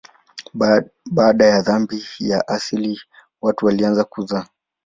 Baada ya dhambi ya asili watu walianza kuzaa.